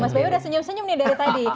mas bayu udah senyum senyum nih dari tadi